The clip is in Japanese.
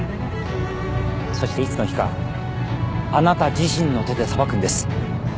そしていつの日かあなた自身の手で裁くんです。